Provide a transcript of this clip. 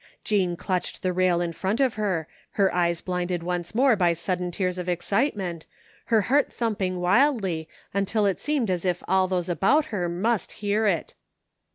Jean clutched the rail in front of her, her eyes blinded once more by sudden tears of excitement, her heart thumping wildly till it seemed as if all those about her must hear it.